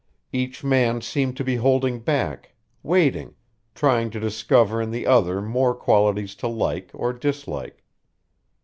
Each man seemed to be holding back, waiting, trying to discover in the other more qualities to like or dislike.